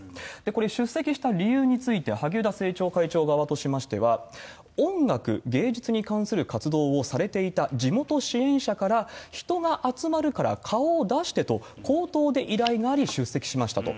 これ出席した理由について、萩生田政調会長側としましては、音楽、芸術に関する活動をされていた地元支援者から、人が集まるから顔を出してと、口頭で依頼があり出席しましたと。